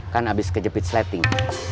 kan abis kejepit sleting